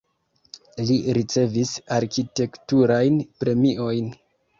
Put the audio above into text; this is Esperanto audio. Li ricevis arkitekturajn premiojn.